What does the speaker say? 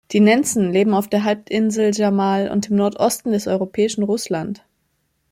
Die Nenzen leben auf der Halbinsel Jamal und im Nordosten des europäischen Russland.